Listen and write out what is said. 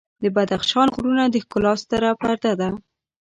د بدخشان غرونه د ښکلا ستره پرده ده.